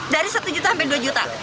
dari satu juta sampai dua juta